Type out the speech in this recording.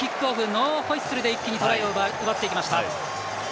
ノーホイッスルで一気にトライを奪っていきました。